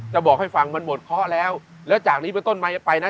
จะบอกให้ฟังมันหมดเคาะแล้วแล้วจากนี้ไปต้นมาจะไปนะ